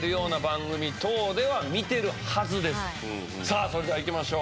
さあそれではいきましょうか。